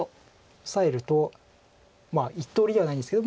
オサえると１通りではないんですけど。